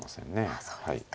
あそうですか。